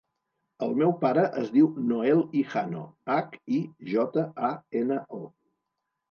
El meu pare es diu Noel Hijano: hac, i, jota, a, ena, o.